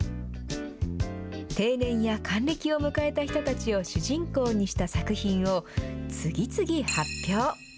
定年や還暦を迎えた人たちを主人公にした作品を次々発表。